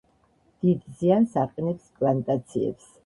დიდ ზიანს აყენებს პლანტაციებს.